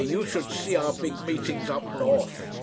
you should see our big meetings up north?"